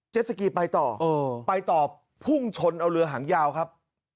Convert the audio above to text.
สกีไปต่อไปต่อพุ่งชนเอาเรือหางยาวครับ